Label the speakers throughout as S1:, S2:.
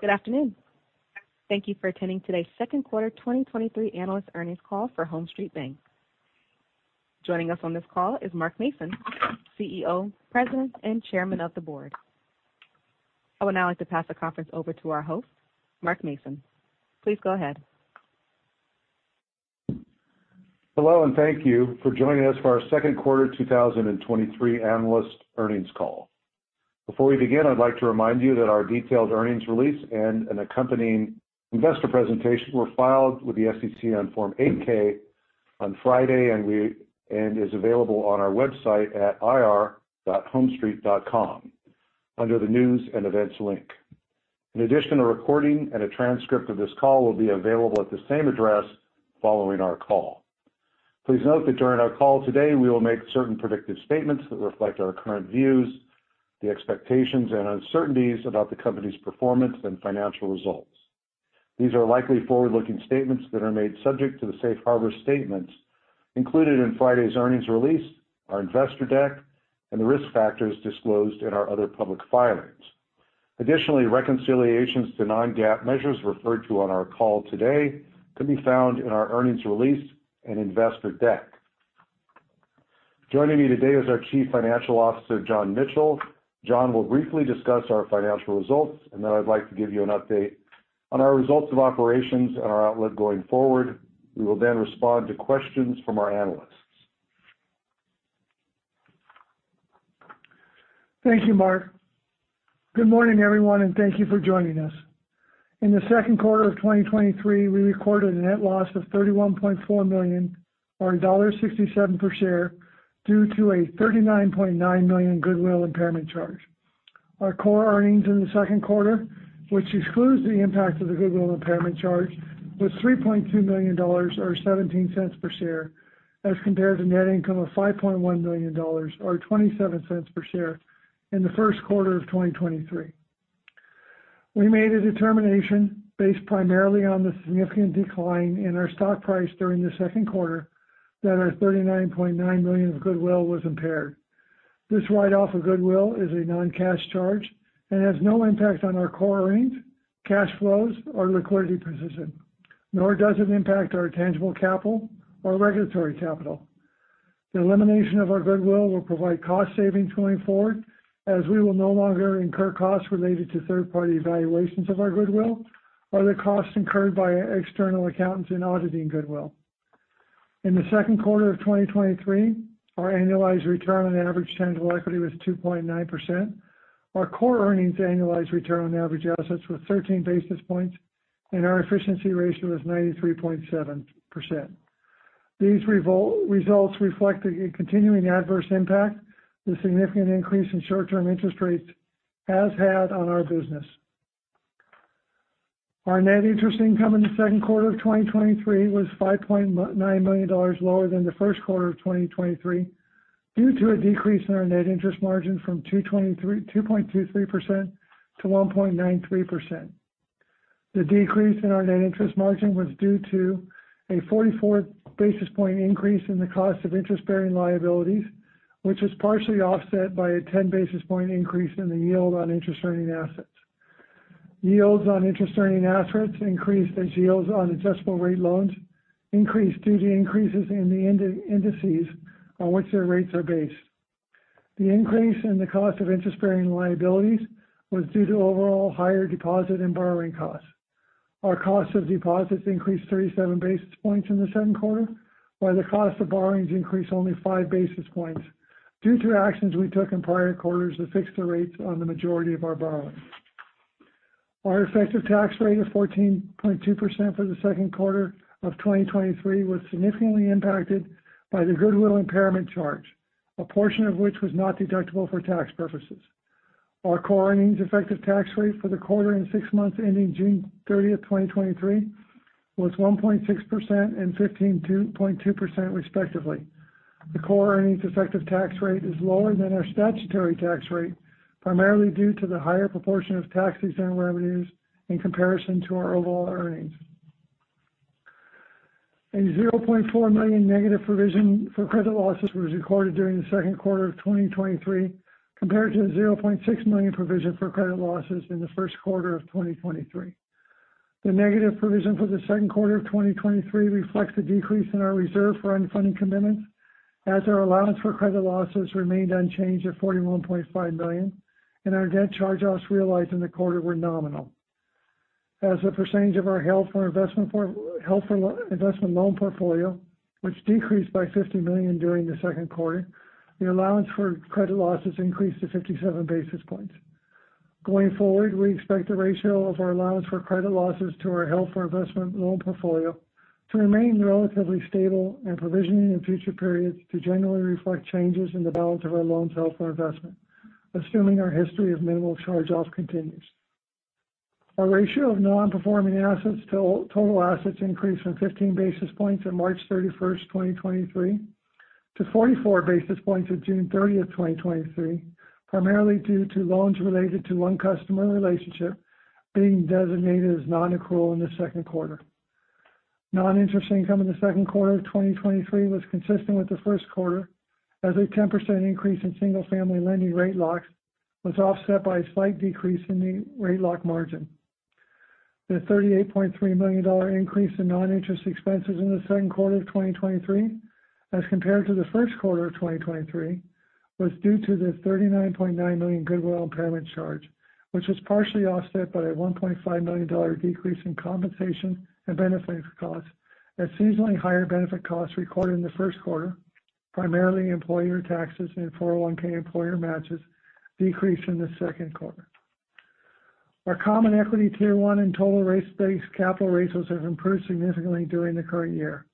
S1: Good afternoon. Thank you for attending today's Q2 2023 Analyst Earnings Call for HomeStreet Bank. Joining us on this call is Mark Mason, CEO, President, and Chairman of the Board. I would now like to pass the conference over to our host, Mark Mason. Please go ahead.
S2: Hello, thank you for joining us for our Q2 2023 Analyst Earnings Call. Before we begin, I'd like to remind you that our detailed earnings release and an accompanying investor presentation were filed with the SEC on Form 8-K on Friday, and is available on our website at ir.homestreet.com under the News and Events link. In addition, a recording and a transcript of this call will be available at the same address following our call. Please note that during our call today, we will make certain predictive statements that reflect our current views, the expectations and uncertainties about the company's performance and financial results. These are likely forward-looking statements that are made subject to the safe harbor statements included in Friday's earnings release, our investor deck, and the risk factors disclosed in our other public filings. Additionally, reconciliations to non-GAAP measures referred to on our call today can be found in our earnings release and investor deck. Joining me today is our Chief Financial Officer, John Michel. John will briefly discuss our financial results. I'd like to give you an update on our results of operations and our outlook going forward. We will respond to questions from our analysts.
S3: Thank you, Mark. Good morning, everyone, and thank you for joining us. In the Q2 of 2023, we recorded a net loss of $31.4 million, or $1.67 per share, due to a $39.9 million goodwill impairment charge. Our core earnings in the Q2, which excludes the impact of the goodwill impairment charge, was $3.2 million, or $0.17 per share, as compared to net income of $5.1 million, or $0.27 per share in the Q1 of 2023. We made a determination based primarily on the significant decline in our stock price during the Q2 that our $39.9 million of goodwill was impaired. This write-off of goodwill is a non-cash charge and has no impact on our core earnings, cash flows, or liquidity position, nor does it impact our tangible capital or regulatory capital. The elimination of our goodwill will provide cost savings going forward, as we will no longer incur costs related to third-party evaluations of our goodwill or the costs incurred by external accountants in auditing goodwill. In the Q2 of 2023, our annualized return on average tangible equity was 2.9%. Our core earnings annualized return on average assets was 13 basis points, and our efficiency ratio was 93.7%. These results reflect the continuing adverse impact the significant increase in short-term interest rates has had on our business. Our net interest income in the Q2 of 2023 was $5.9 million lower than the Q1 of 2023 due to a decrease in our net interest margin from 2.23% to 1.93%. The decrease in our net interest margin was due to a 44 basis point increase in the cost of interest-bearing liabilities, which was partially offset by a 10 basis point increase in the yield on interest-earning assets. Yields on interest-earning assets increased as yields on adjustable-rate loans increased due to increases in the indices on which their rates are based. The increase in the cost of interest-bearing liabilities was due to overall higher deposit and borrowing costs. Our cost of deposits increased 37 basis points in the Q2, while the cost of borrowings increased only 5 basis points due to actions we took in prior quarters to fix the rates on the majority of our borrowings. Our effective tax rate of 14.2% for the Q2 of 2023 was significantly impacted by the goodwill impairment charge, a portion of which was not deductible for tax purposes. Our core earnings effective tax rate for the quarter and six months ending June 30th, 2023, was 1.6% and 15.2%, respectively. The core earnings effective tax rate is lower than our statutory tax rate, primarily due to the higher proportion of tax-exempt revenues in comparison to our overall earnings. A $0.4 million negative provision for credit losses was recorded during the Q2 of 2023, compared to the $0.6 million provision for credit losses in the Q1 of 2023. The negative provision for the Q2 of 2023 reflects a decrease in our reserve for unfunded commitments, as our allowance for credit losses remained unchanged at $41.5 million, and our debt charge-offs realized in the quarter were nominal. As a percentage of our held for investment loan portfolio, which decreased by $50 million during the Q2, the allowance for credit losses increased to 57 basis points. Going forward, we expect the ratio of our Allowance for credit losses to our held for investment loan portfolio to remain relatively stable and provisioning in future periods to generally reflect changes in the balance of our loans held for investment, assuming our history of minimal charge-offs continues. Our ratio of non-performing assets to total assets increased from 15 basis points on March 31st, 2023, to 44 basis points on June 30th, 2023, primarily due to loans related to one customer relationship being designated as nonaccrual in the Q2. Non-interest income in the Q2 of 2023 was consistent with the Q1, as a 10% increase in single-family lending rate locks was offset by a slight decrease in the rate lock margin. The $38.3 million increase in non-interest expenses in the Q2 of 2023, as compared to the Q1 of 2023, was due to the $39.9 million goodwill impairment charge, which was partially offset by a $1.5 million decrease in compensation and benefit costs, as seasonally higher benefit costs recorded in the Q1, primarily employer taxes and 401(k) employer matches, decreased in the Q2. Our Common Equity Tier 1 and Total risk-based capital ratios have improved significantly during the current year.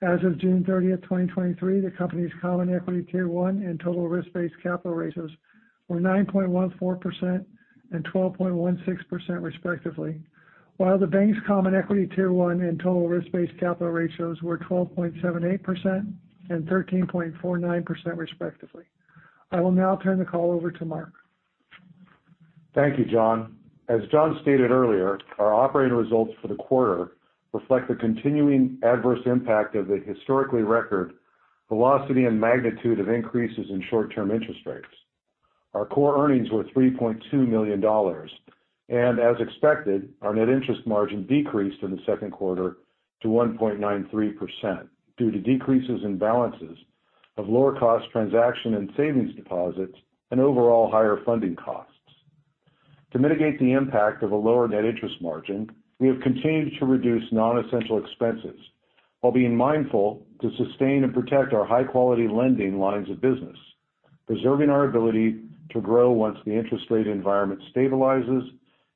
S3: As of June 30, 2023, the company's Common Equity Tier 1 and Total risk-based capital ratios were 9.14% and 12.16%, respectively, while the bank's Common Equity Tier 1 and Total risk-based capital ratios were 12.78% and 13.49%, respectively. I will now turn the call over to Mark.
S2: Thank you, John. As John stated earlier, our operating results for the quarter reflect the continuing adverse impact of the historically record velocity and magnitude of increases in short-term interest rates. Our core earnings were $3.2 million, and as expected, our net interest margin decreased in the Q2 to 1.93% due to decreases in balances of lower cost transaction and savings deposits and overall higher funding costs. To mitigate the impact of a lower net interest margin, we have continued to reduce non-essential expenses while being mindful to sustain and protect our high-quality lending lines of business, preserving our ability to grow once the interest rate environment stabilizes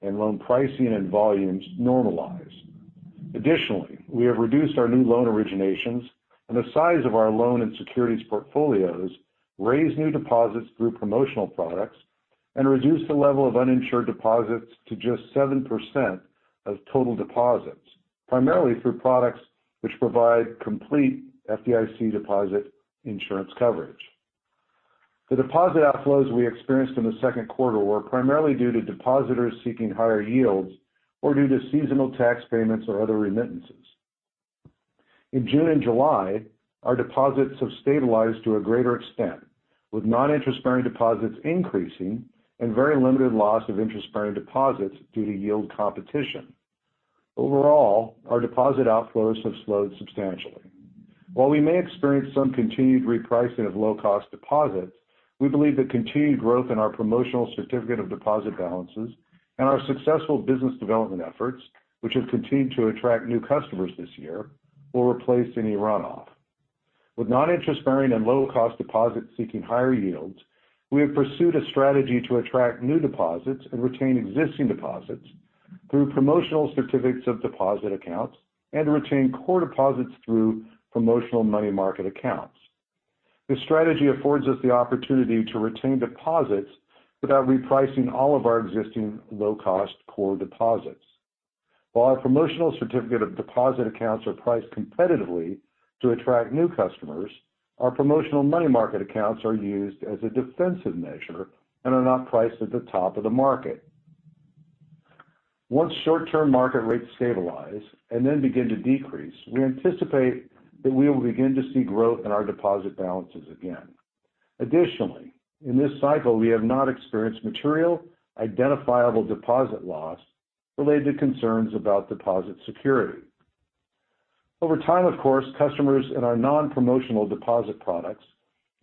S2: and loan pricing and volumes normalize. Additionally, we have reduced our new loan originations and the size of our loan and securities portfolios, raised new deposits through promotional products, and reduced the level of uninsured deposits to just 7% of total deposits, primarily through products which provide complete FDIC deposit insurance coverage. The deposit outflows we experienced in the Q2 were primarily due to depositors seeking higher yields or due to seasonal tax payments or other remittances. In June and July, our deposits have stabilized to a greater extent, with non-interest-bearing deposits increasing and very limited loss of interest-bearing deposits due to yield competition. Overall, our deposit outflows have slowed substantially. While we may experience some continued repricing of low-cost deposits, we believe the continued growth in our promotional certificate of deposit balances and our successful business development efforts, which have continued to attract new customers this year, will replace any runoff. With non-interest bearing and low-cost deposits seeking higher yields, we have pursued a strategy to attract new deposits and retain existing deposits through promotional certificates of deposit accounts and retain core deposits through promotional money market accounts. This strategy affords us the opportunity to retain deposits without repricing all of our existing low-cost core deposits. While our promotional certificate of deposit accounts are priced competitively to attract new customers, our promotional money market accounts are used as a defensive measure and are not priced at the top of the market. Once short-term market rates stabilize and then begin to decrease, we anticipate that we will begin to see growth in our deposit balances again. Additionally, in this cycle, we have not experienced material identifiable deposit loss related to concerns about deposit security. Over time, of course, customers in our non-promotional deposit products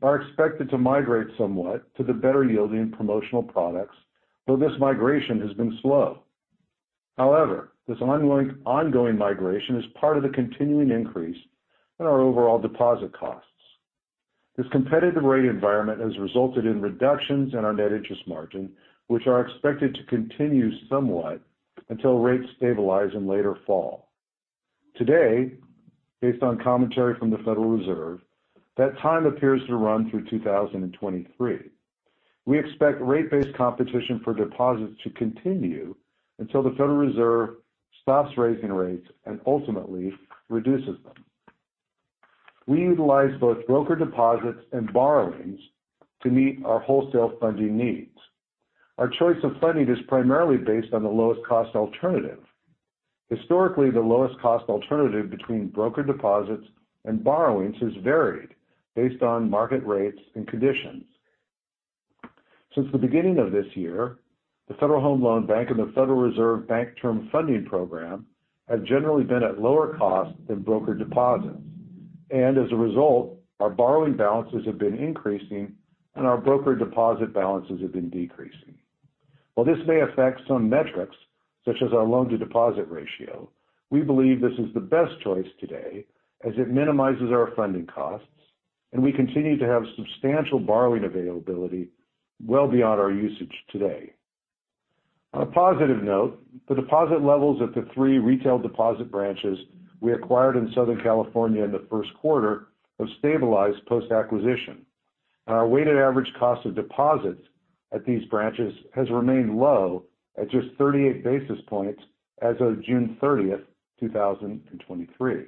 S2: are expected to migrate somewhat to the better-yielding promotional products, though this migration has been slow. However, this ongoing migration is part of the continuing increase in our overall deposit costs. This competitive rate environment has resulted in reductions in our net interest margin, which are expected to continue somewhat until rates stabilize in later fall. Today, based on commentary from the Federal Reserve, that time appears to run through 2023. We expect rate-based competition for deposits to continue until the Federal Reserve stops raising rates and ultimately reduces them. We utilize both broker deposits and borrowings to meet our wholesale funding needs. Our choice of funding is primarily based on the lowest cost alternative. Historically, the lowest cost alternative between broker deposits and borrowings has varied based on market rates and conditions. Since the beginning of this year, the Federal Home Loan Bank and the Federal Reserve Bank Term Funding Program have generally been at lower cost than broker deposits. As a result, our borrowing balances have been increasing and our broker deposit balances have been decreasing. While this may affect some metrics, such as our loan-to-deposit ratio, we believe this is the best choice today as it minimizes our funding costs, and we continue to have substantial borrowing availability well beyond our usage today. On a positive note, the deposit levels at the three retail deposit branches we acquired in Southern California in the Q1 have stabilized post-acquisition. Our weighted average cost of deposits at these branches has remained low at just 38 basis points as of June 30, 2023.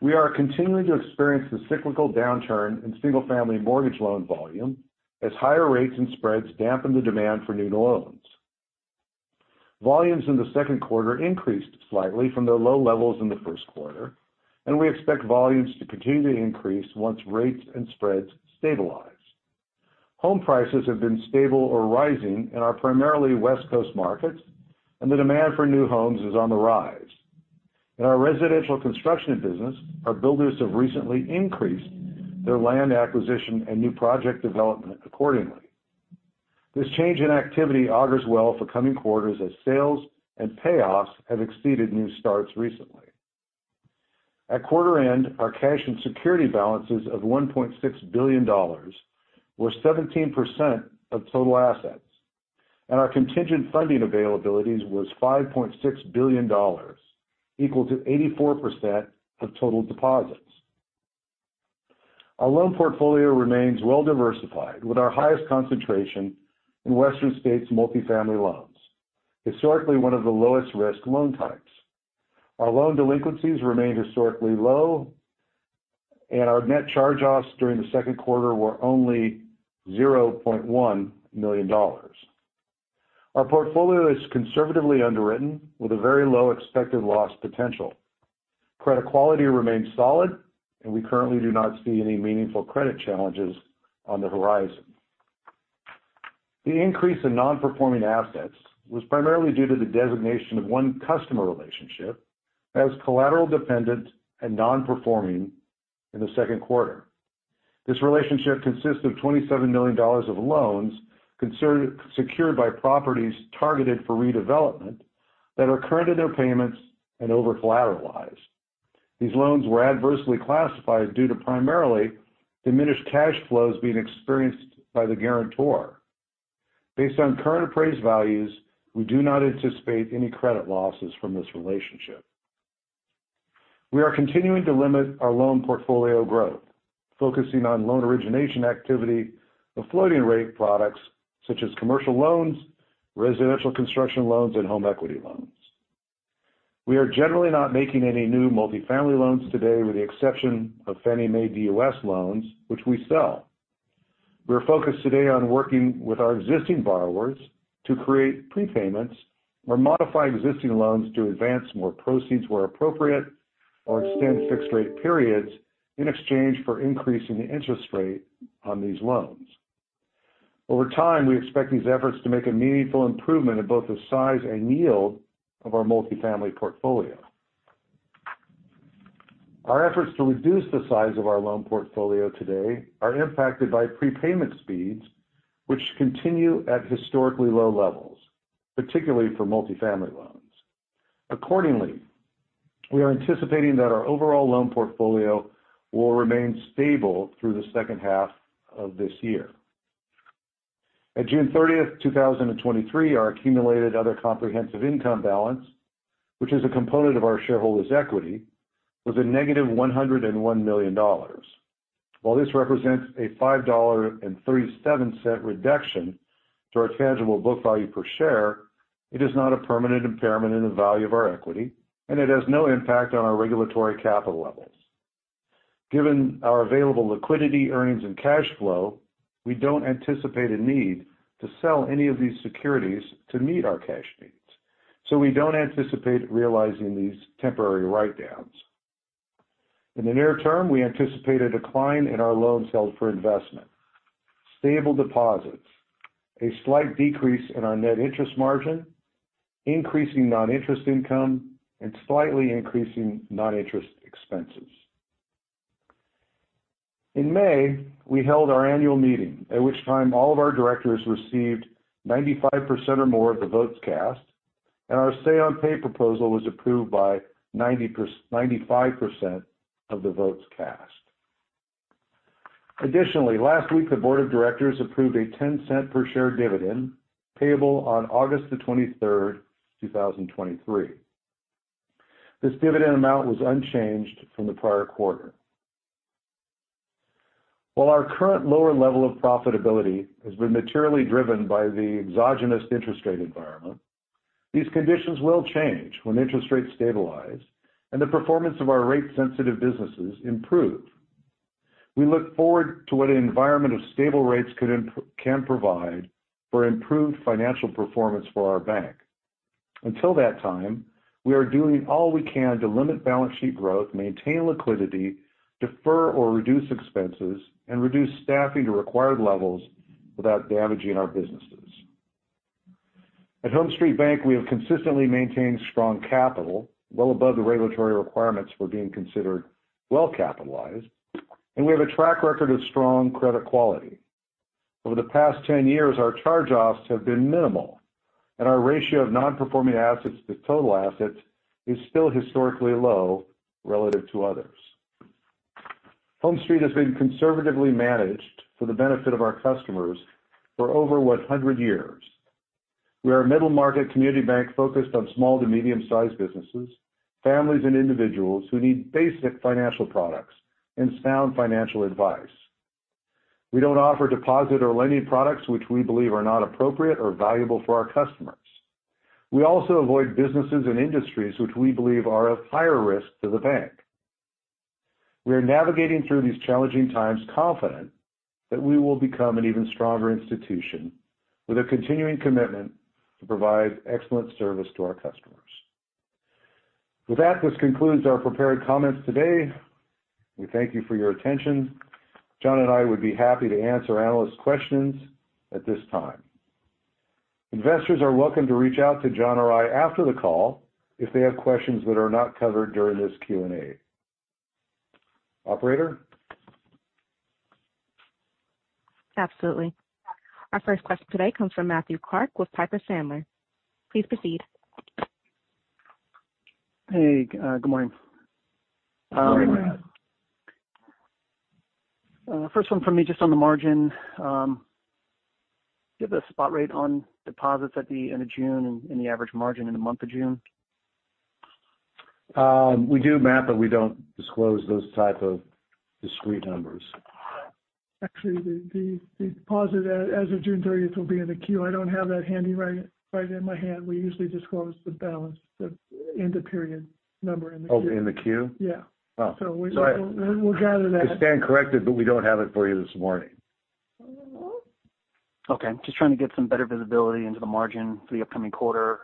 S2: We are continuing to experience the cyclical downturn in single-family mortgage loan volume as higher rates and spreads dampen the demand for new loans. Volumes in the Q2 increased slightly from their low levels in the Q1, and we expect volumes to continue to increase once rates and spreads stabilize. Home prices have been stable or rising in our primarily West Coast markets, and the demand for new homes is on the rise. In our residential construction business, our builders have recently increased their land acquisition and new project development accordingly. This change in activity augurs well for coming quarters as sales and payoffs have exceeded new starts recently. At quarter-end, our cash and security balances of $1.6 billion were 17% of total assets, and our contingent funding availabilities was $5.6 billion, equal to 84% of total deposits. Our loan portfolio remains well-diversified, with our highest concentration in Western States multifamily loans, historically one of the lowest-risk loan types. Our loan delinquencies remain historically low, and our net charge-offs during the Q2 were only $0.1 million. Our portfolio is conservatively underwritten with a very low expected loss potential. Credit quality remains solid, and we currently do not see any meaningful credit challenges on the horizon. The increase in nonperforming assets was primarily due to the designation of one customer relationship as collateral dependent and nonperforming in the Q2. This relationship consists of $27 million of loans secured by properties targeted for redevelopment that are current in their payments and over-collateralized. These loans were adversely classified due to primarily diminished cash flows being experienced by the guarantor. Based on current appraised values, we do not anticipate any credit losses from this relationship. We are continuing to limit our loan portfolio growth, focusing on loan origination activity of floating-rate products such as commercial loans, residential construction loans, and home equity loans. We are generally not making any new multifamily loans today, with the exception of Fannie Mae DUS loans, which we sell. We are focused today on working with our existing borrowers to create prepayments or modify existing loans to advance more proceeds where appropriate, or extend fixed-rate periods in exchange for increasing the interest rate on these loans. Over time, we expect these efforts to make a meaningful improvement in both the size and yield of our multifamily portfolio. Our efforts to reduce the size of our loan portfolio today are impacted by prepayment speeds, which continue at historically low levels, particularly for multifamily loans. Accordingly, we are anticipating that our overall loan portfolio will remain stable through the second half of this year. At June 30th, 2023, our Accumulated other comprehensive income balance, which is a component of our shareholders' equity, was a negative $101 million. While this represents a $5.37 reduction to our tangible book value per share, it is not a permanent impairment in the value of our equity, and it has no impact on our regulatory capital levels. Given our available liquidity, earnings, and cash flow, we don't anticipate a need to sell any of these securities to meet our cash needs, so we don't anticipate realizing these temporary write-downs. In the near term, we anticipate a decline in our loans held for investment, stable deposits, a slight decrease in our net interest margin, increasing non-interest income, and slightly increasing non-interest expenses. In May, we held our annual meeting, at which time all of our directors received 95% or more of the votes cast, and our say on pay proposal was approved by 95% of the votes cast. Additionally, last week, the board of directors approved a $0.10 per share dividend, payable on August 23rd, 2023. This dividend amount was unchanged from the prior quarter. While our current lower level of profitability has been materially driven by the exogenous interest rate environment, these conditions will change when interest rates stabilize and the performance of our rate-sensitive businesses improve. We look forward to what an environment of stable rates could can provide for improved financial performance for our bank. Until that time, we are doing all we can to limit balance sheet growth, maintain liquidity, defer or reduce expenses, and reduce staffing to required levels without damaging our businesses. At HomeStreet Bank, we have consistently maintained strong capital, well above the regulatory requirements for being considered well capitalized, and we have a track record of strong credit quality. Over the past 10 years, our charge-offs have been minimal, and our ratio of nonperforming assets to total assets is still historically low relative to others. HomeStreet has been conservatively managed for the benefit of our customers for over 100 years. We are a middle-market community bank focused on small to medium-sized businesses, families, and individuals who need basic financial products and sound financial advice. We don't offer deposit or lending products which we believe are not appropriate or valuable for our customers. We also avoid businesses and industries which we believe are at higher risk to the bank. We are navigating through these challenging times confident that we will become an even stronger institution with a continuing commitment to provide excellent service to our customers. With that, this concludes our prepared comments today. We thank you for your attention. John and I would be happy to answer analysts' questions at this time. Investors are welcome to reach out to John or I after the call if they have questions that are not covered during this Q&A. Operator?
S1: Absolutely. Our first question today comes from Matthew Clark with Piper Sandler. Please proceed.
S4: Hey, good morning.
S2: Good morning.
S4: First one from me, just on the margin. Do you have a spot rate on deposits at the end of June and, and the average margin in the month of June?
S2: We do, Matt, but we don't disclose those type of discrete numbers.
S3: Actually, the deposit as, as of June 30th will be in the Q. I don't have that handy right, right in my hand. We usually disclose the balance, the end of period number in the Q.
S2: Oh, in the Q?
S3: Yeah.
S2: Oh.
S3: So we-
S2: So I-
S3: We'll gather that.
S2: I stand corrected, but we don't have it for you this morning.
S4: Okay. Just trying to get some better visibility into the margin for the upcoming quarter.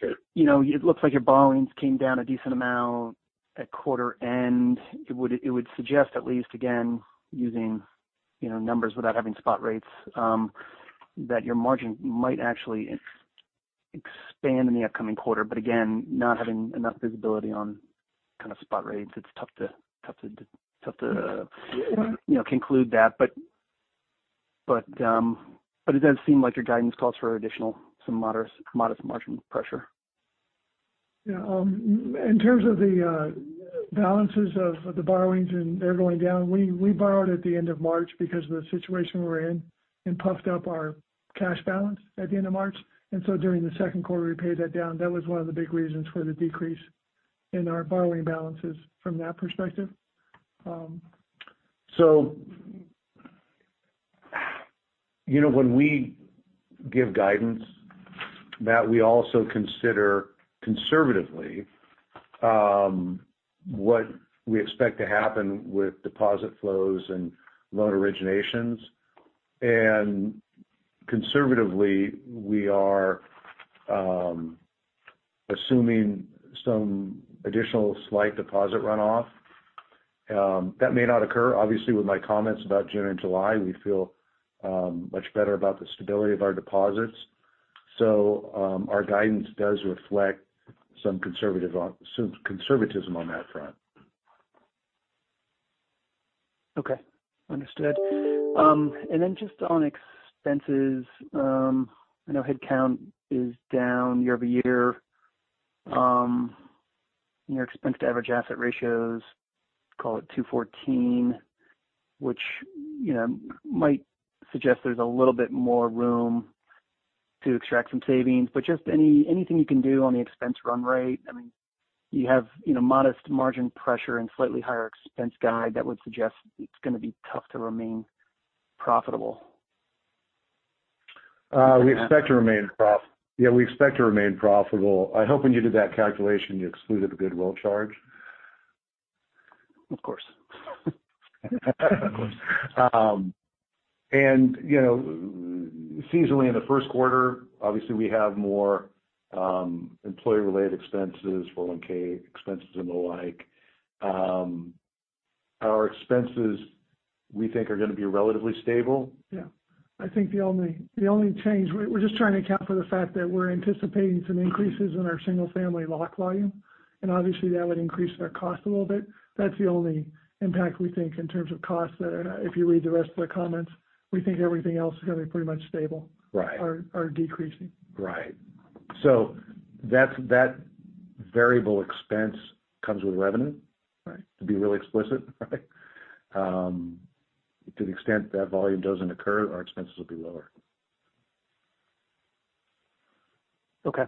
S3: Sure.
S4: You know, it looks like your borrowings came down a decent amount at quarter end. It would, it would suggest at least, again, using, you know, numbers without having spot rates, that your margin might actually expand in the upcoming quarter. Again, not having enough visibility on kind of spot rates, it's tough to.
S3: Yeah.
S4: You know, conclude that. It does seem like your guidance calls for additional, some modest, modest margin pressure.
S3: Yeah, in terms of the balances of the borrowings and they're going down, we borrowed at the end of March because of the situation we're in and puffed up our cash balance at the end of March. So during the Q2, we paid that down. That was one of the big reasons for the decrease in our borrowing balances from that perspective.
S2: You know, when we give guidance, Matt, we also consider conservatively, what we expect to happen with deposit flows and loan originations. Conservatively, we are assuming some additional slight deposit runoff. That may not occur. Obviously, with my comments about June and July, we feel much better about the stability of our deposits. Our guidance does reflect some conservatism on that front.
S4: Okay, understood. Just on expenses, I know headcount is down year-over-year. Your expense to average asset ratios, call it 2.14%, which, you know, might suggest there's a little bit more room to extract some savings. Just anything you can do on the expense run rate. I mean, you have, you know, modest margin pressure and slightly higher expense guide, that would suggest it's gonna be tough to remain profitable.
S2: We expect to remain yeah, we expect to remain profitable. I hope when you did that calculation, you excluded the goodwill charge.
S4: Of course.
S2: You know, seasonally, in the Q1, obviously, we have more employee-related expenses, 401(k) expenses, and the like. Our expenses, we think, are gonna be relatively stable.
S3: Yeah. I think the only change we're just trying to account for the fact that we're anticipating some increases in our single-family lock volume, and obviously, that would increase our cost a little bit. That's the only impact we think in terms of costs, that are if you read the rest of the comments, we think everything else is gonna be pretty much stable...
S2: Right.
S3: or decreasing.
S2: Right. That's, that variable expense comes with revenue.
S4: Right.
S2: To be really explicit, right? To the extent that volume doesn't occur, our expenses will be lower.
S4: Okay.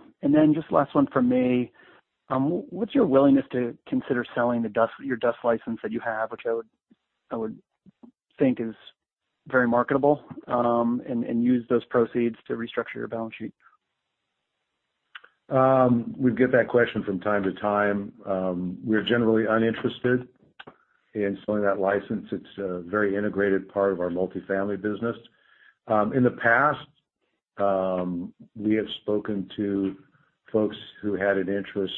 S4: Just last one from me. What's your willingness to consider selling the DUS, your DUS license that you have, which I would, I would think is very marketable, and use those proceeds to restructure your balance sheet?
S2: We get that question from time to time. We're generally uninterested in selling that license. It's a very integrated part of our multifamily business. In the past, we have spoken to folks who had an interest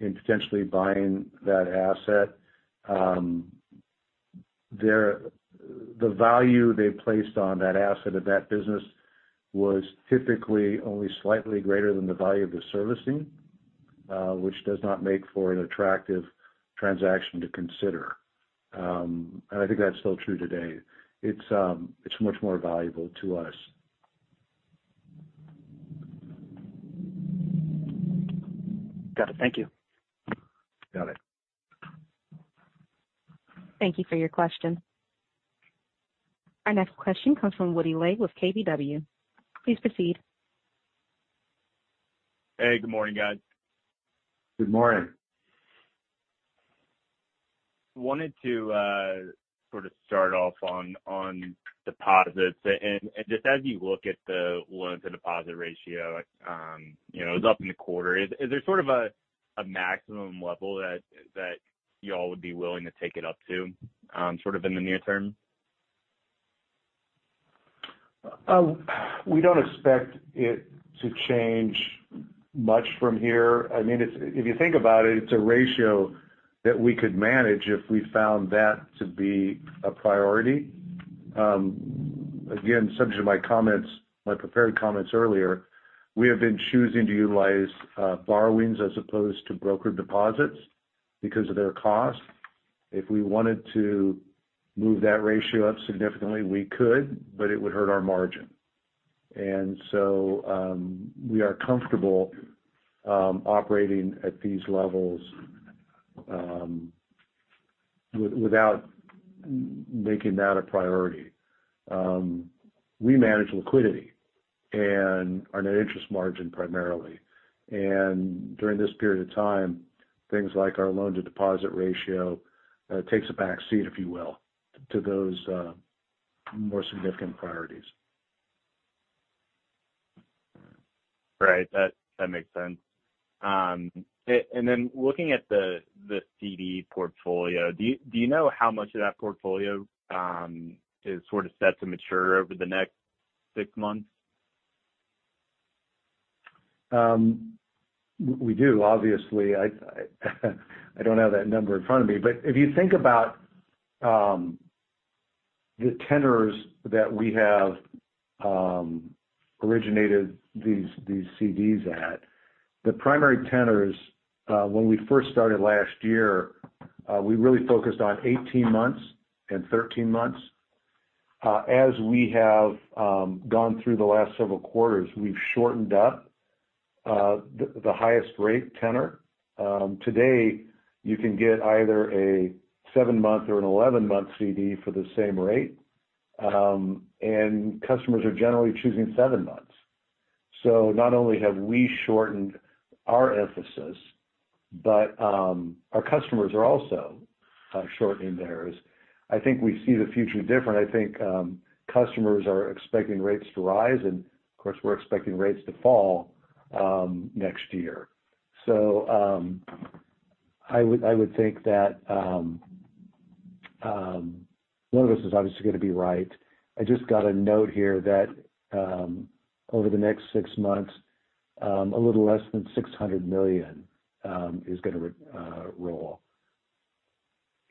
S2: in potentially buying that asset. The value they placed on that asset of that business was typically only slightly greater than the value of the servicing, which does not make for an attractive transaction to consider. I think that's still true today. It's much more valuable to us.
S4: Got it. Thank you.
S2: Got it.
S1: Thank you for your question. Our next question comes from Woody Lay with KBW. Please proceed.
S5: Hey, good morning, guys.
S2: Good morning.
S5: Wanted to sort of start off on, on deposits. Just as you look at the loan-to-deposit ratio, you know, it was up in the quarter. Is there sort of a maximum level that you all would be willing to take it up to, sort of in the near term?
S2: We don't expect it to change much from here. I mean, if you think about it, it's a ratio that we could manage if we found that to be a priority. Again, subject to my comments, my prepared comments earlier, we have been choosing to utilize borrowings as opposed to broker deposits because of their cost. If we wanted to move that ratio up significantly, we could, but it would hurt our net interest margin. So, we are comfortable operating at these levels without making that a priority. We manage liquidity and our net interest margin primarily. During this period of time, things like our loan-to-deposit ratio takes a back seat, if you will, to those more significant priorities.
S5: Right. That, that makes sense. Then looking at the, the CD portfolio, do you know how much of that portfolio, is sort of set to mature over the next 6 months?
S2: We do, obviously. I, I don't have that number in front of me. If you think about the tenors that we have originated these, these CDs at, the primary tenors, when we first started last year, we really focused on 18 months and 13 months. As we have gone through the last several quarters, we've shortened up the, the highest rate tenor. Today, you can get either a 7th month or an 11th month CD for the same rate, and customers are generally choosing 7 months. Not only have we shortened our emphasis, but our customers are also shortening theirs. I think we see the future different. I think customers are expecting rates to rise, and of course, we're expecting rates to fall next year. I would, I would think that one of us is obviously going to be right. I just got a note here that over the next 6 months, a little less than $600 million is going to roll.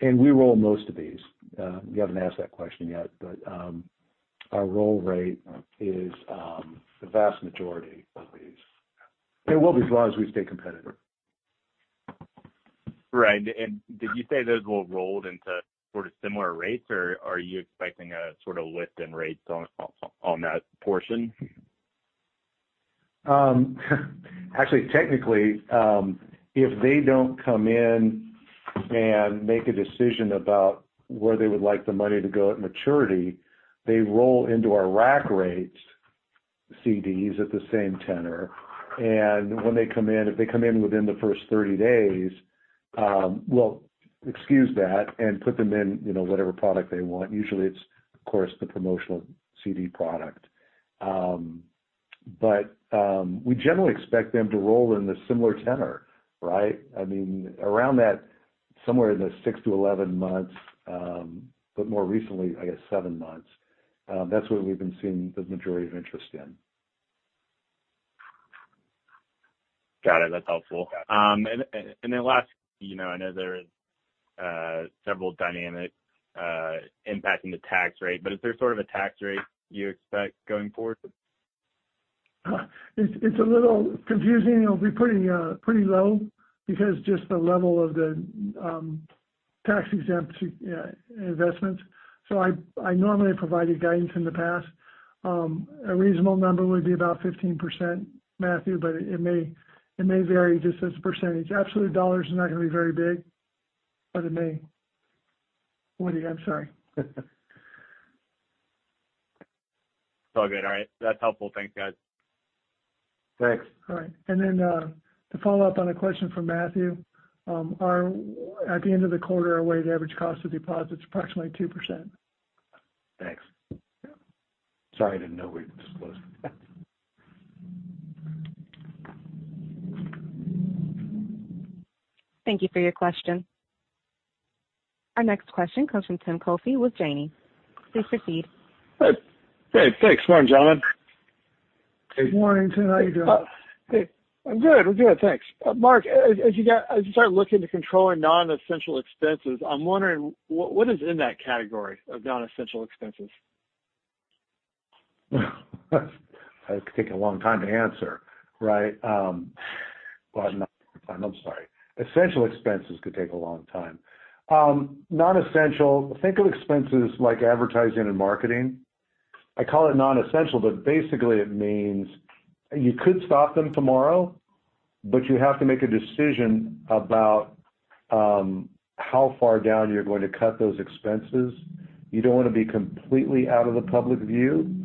S2: We roll most of these. You haven't asked that question yet, but our roll rate is the vast majority of these. It will be as long as we stay competitive.
S5: Right. Did you say those will rolled into sort of similar rates, or are you expecting a sort of lift in rates on, on that portion?
S2: Actually, technically, if they don't come in and make a decision about where they would like the money to go at maturity, they roll into our rack rates CDs at the same tenor. When they come in, if they come in within the first 30 days, we'll excuse that and put them in, you know, whatever product they want. Usually, it's, of course, the promotional CD product. We generally expect them to roll in a similar tenor, right? I mean, around that, somewhere in the 6 to 11 months, but more recently, I guess, 7 months. That's where we've been seeing the majority of interest in.
S5: Got it. That's helpful. Then last, you know, I know there are several dynamics impacting the tax rate, but is there sort of a tax rate you expect going forward?
S3: It's a little confusing. It'll be pretty low because just the level of the tax-exempt investments. I normally have provided guidance in the past. A reasonable number would be about 15%, Matthew, but it may vary just as a percentage. Absolute dollars is not going to be very big, but it may. Woody, I'm sorry.
S5: It's all good. All right. That's helpful. Thanks, guys.
S2: Thanks.
S3: All right. Then, to follow up on a question from Matthew, at the end of the quarter, our weighted average cost of deposit is approximately 2%.
S2: Thanks.
S3: Yeah.
S2: Sorry, I didn't know we disclosed.
S1: Thank you for your question. Our next question comes from Tim Coffey with Janney. Please proceed.
S6: Hey. Hey, thanks. Morning, John.
S3: Good morning, Tim. How are you doing?
S6: Hey, I'm good. I'm good, thanks. Mark, as you start looking to control our non-essential expenses, I'm wondering, what, what is in that category of non-essential expenses?
S2: That could take a long time to answer, right? I'm sorry. Essential expenses could take a long time. Non-essential, think of expenses like advertising and marketing. I call it non-essential, basically, it means you could stop them tomorrow, but you have to make a decision about how far down you're going to cut those expenses. You don't want to be completely out of the public view,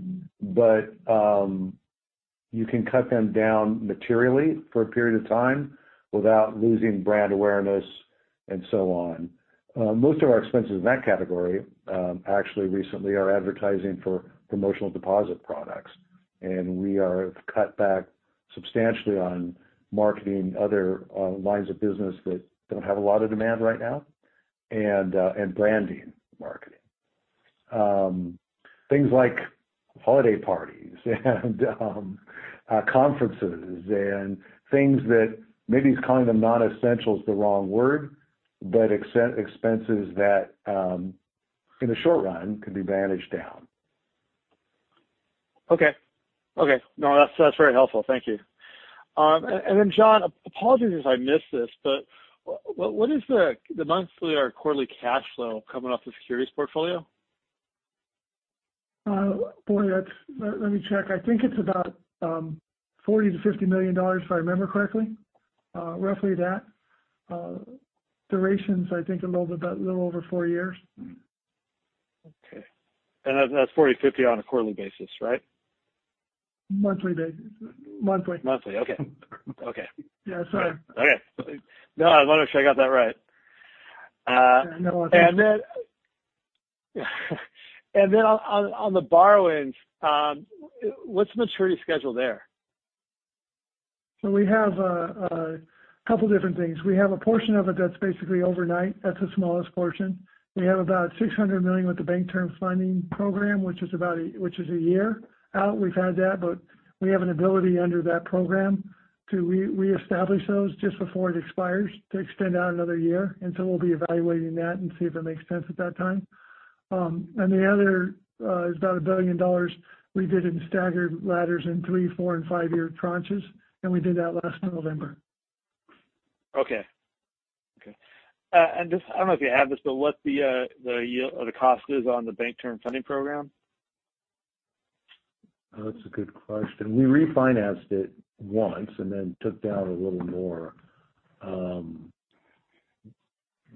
S2: you can cut them down materially for a period of time without losing brand awareness and so on. Most of our expenses in that category, actually recently are advertising for promotional deposit products, we are cut back substantially on marketing other lines of business that don't have a lot of demand right now, branding marketing. Things like holiday parties and conferences and things that maybe calling them non-essentials is the wrong word, but ex-expenses that in the short run, can be managed down.
S6: Okay. Okay. No, that's, that's very helpful. Thank you. Then, John, apologies if I missed this, but what, what is the, the monthly or quarterly cash flow coming off the securities portfolio?
S3: Boy, that's, let me check. I think it's about $40 million-$50 million, if I remember correctly. Roughly that. Durations, I think, a little bit, about a little over 4 years.
S6: Okay. That's 40, 50 on a quarterly basis, right?
S3: Monthly basis. Monthly.
S6: Monthly, okay. Okay.
S3: Yeah, sorry.
S6: Okay. No, I wanted to make sure I got that right.
S3: Yeah, no.
S6: On, on, on the borrowings, what's the maturity schedule there?
S3: We have a, a couple different things. We have a portion of it that's basically overnight. That's the smallest portion. We have about $600 million with the Bank Term Funding Program, which is about which is 1 year out. We've had that, but we have an ability under that program to re-reestablish those just before it expires, to extend out another 1 year. We'll be evaluating that and see if it makes sense at that time. The other, is about $1 billion we did in staggered ladders in 3, 4, and 5 year tranches, and we did that last November.
S6: Okay. Okay. Just I don't know if you have this, but what the the yield or the cost is on the Bank Term Funding Program?
S2: That's a good question. We refinanced it once and then took down a little more.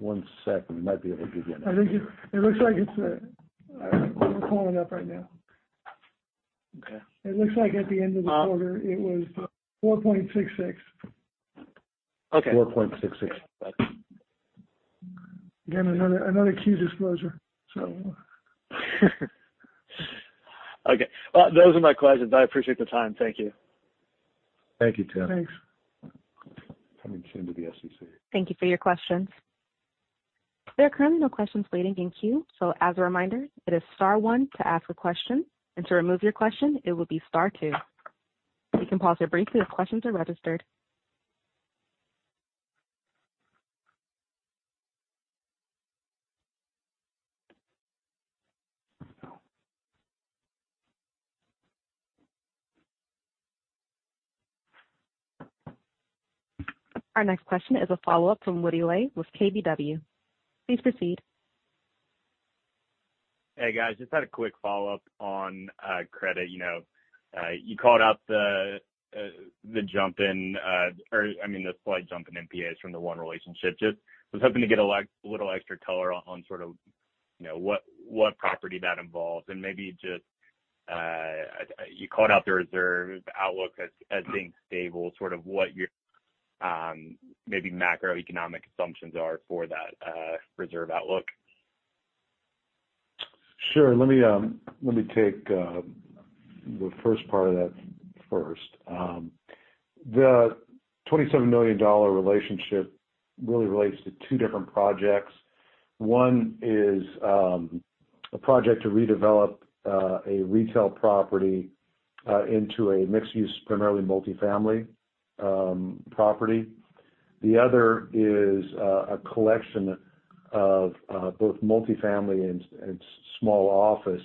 S2: One second, we might be able to give you that.
S3: I think it, it looks like it's a, I don't know. We're pulling it up right now.
S6: Okay.
S3: It looks like at the end of the quarter, it was 4.66%.
S6: Okay.
S2: 4.66.
S3: Again, another, another Q disclosure, so.
S6: Okay. Well, those are my questions. I appreciate the time. Thank you.
S2: Thank you, Tim.
S3: Thanks.
S2: Coming soon to the SEC.
S1: Thank you for your questions. There are currently no questions waiting in queue. As a reminder, it is star 1 to ask a question, and to remove your question, it will be star 2. We can pause here briefly as questions are registered. Our next question is a follow-up from Woody Lay with KBW. Please proceed.
S5: Hey, guys, just had a quick follow-up on credit. You know, you called out the the jump in or I mean, the slight jump in NPAs from the one relationship. Just was hoping to get a little extra color on sort of, you know, what, what property that involves, and maybe just you called out the reserve, the outlook as, as being stable, sort of what your maybe macroeconomic assumptions are for that reserve outlook?
S2: Sure. Let me, let me take the first part of that first. The $27 million relationship really relates to two different projects. One is a project to redevelop a retail property into a mixed use, primarily multifamily, property. The other is a collection of both multifamily and, and small office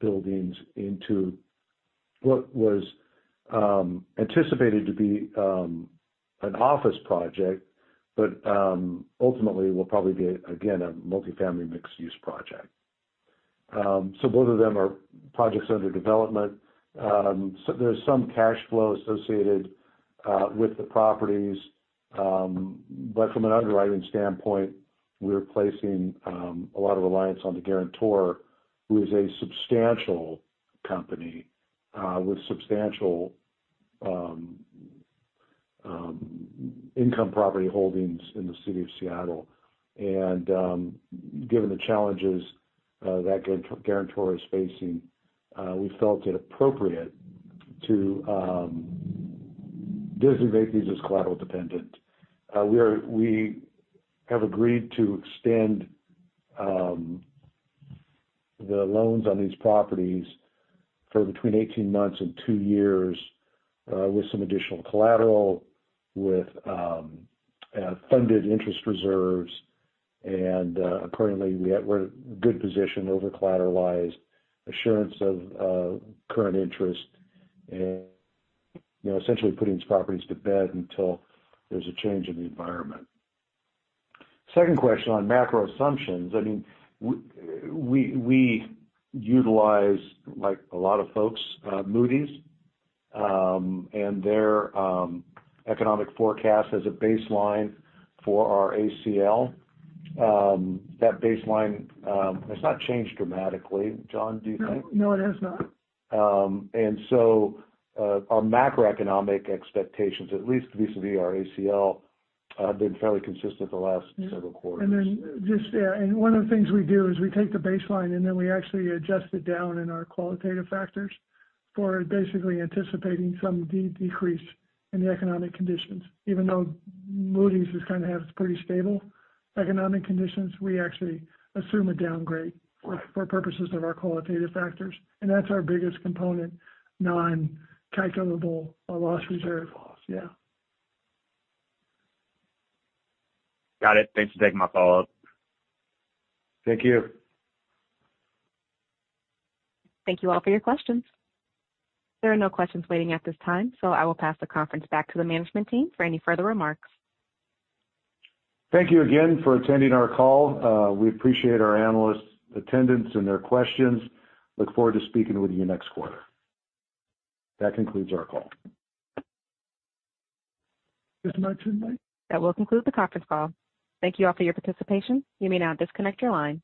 S2: buildings into what was anticipated to be an office project, but ultimately will probably be, again, a multifamily mixed-use project. Both of them are projects under development. There's some cash flow associated with the properties. From an underwriting standpoint, we're placing a lot of reliance on the guarantor, who is a substantial company, with substantial income property holdings in the city of Seattle. Given the challenges that guarantor is facing, we felt it appropriate to designate these as collateral dependent. We have agreed to extend the loans on these properties for between 18 months and 2 years, with some additional collateral, with funded interest reserves. Apparently, we are at a good position, overcollateralized, assurance of current interest, and, you know, essentially putting these properties to bed until there's a change in the environment. Second question on macro assumptions. I mean, we, we utilize, like a lot of folks, Moody's, and their economic forecast as a baseline for our ACL. That baseline has not changed dramatically. John, do you think?
S3: No, it has not.
S2: Our macroeconomic expectations, at least vis-a-vis our ACL, have been fairly consistent the last several quarters.
S3: Then just, yeah, and one of the things we do is we take the baseline, and then we actually adjust it down in our qualitative factors for basically anticipating some de-decrease in the economic conditions. Even though Moody's is kind of has pretty stable economic conditions, we actually assume a downgrade-
S2: Right.
S3: for purposes of our qualitative factors, and that's our biggest component, non-calculable loss reserve.
S2: Loss.
S3: Yeah.
S5: Got it. Thanks for taking my follow-up.
S2: Thank you.
S1: Thank you all for your questions. There are no questions waiting at this time. I will pass the conference back to the management team for any further remarks.
S2: Thank you again for attending our call. We appreciate our analysts' attendance and their questions. Look forward to speaking with you next quarter. That concludes our call.
S3: Is my turn, Mark?
S1: That will conclude the conference call. Thank you all for your participation. You may now disconnect your line.